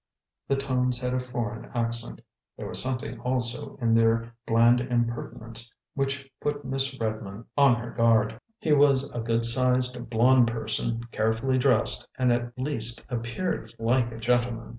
The tones had a foreign accent. There was something, also, in their bland impertinence which put Miss Redmond on her guard. He was a good sized, blond person, carefully dressed, and at least appeared like a gentleman.